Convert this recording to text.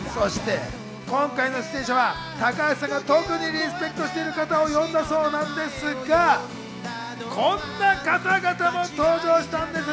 そして今回の出演者は高橋さんが特にリスペクトしてる方を呼んだそうなんですが、こんな方々も登場したんです。